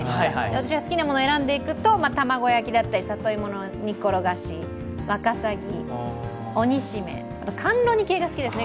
私は好きなものを選んでいくと、卵焼きだったり、里芋の煮っ転がし、わかさぎ、お煮染め、甘露煮系が好きですね。